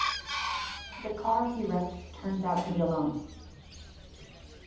The car he wrecked turns out to be a loan.